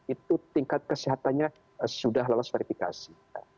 itu tingkat kesehatannya sudah lolos verifikasi